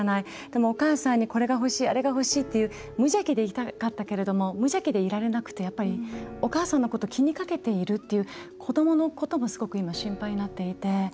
でも、お母さんに、これが欲しいあれが欲しいっていう無邪気でいたかったけれども無邪気でいられなくてお母さんのことを気にかけているという子どものこともすごく今、心配になっていて。